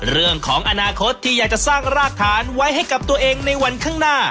เรื่องของอนาคตที่อยากจะสร้างรากฐานไว้ให้กับตัวเองในวันข้างหน้า